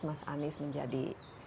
mas anies menjadi